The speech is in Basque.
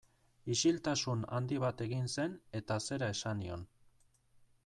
Isiltasun handi bat egin zen eta zera esan nion.